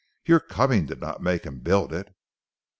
Your coming did not make him build it."